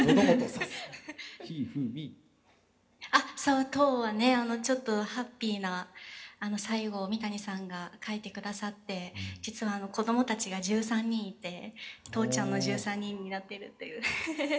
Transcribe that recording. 「あっそうトウはねちょっとハッピーな最後を三谷さんが書いてくださって実は子供たちが１３人いてトウちゃんの１３人になってるという。フフフフフ」。